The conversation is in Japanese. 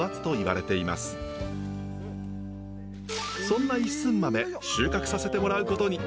そんな一寸豆収穫させてもらうことに。